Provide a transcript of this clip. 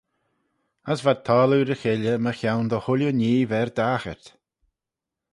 As v'ad taggloo ry-cheilley mychione dy chooilley nhee v'er daghyrt.